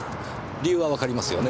理由はわかりますよね？